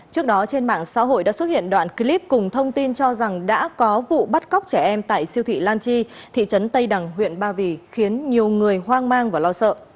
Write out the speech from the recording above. trước đó trên mạng xã hội đã xuất hiện đoạn clip cùng thông tin cho rằng đã có vụ bắt cóc trẻ em tại siêu thị lan chi thị trấn tây đằng huyện ba vì khiến nhiều người hoang mang và lo sợ